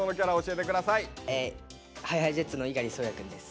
えＨｉＨｉＪｅｔｓの猪狩蒼弥くんです。